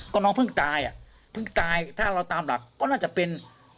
ก็น้องเพิ่งตายถ้าเราตามหลักก็น่าจะเป็น